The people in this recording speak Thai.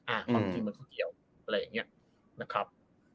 อ่าความจริงมันก็เดียวอะไรอย่างนี้นะครับ